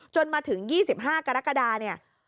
จนถึง๒๕กรกฎาเนี่ย